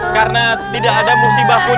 karena tidak ada musibah pun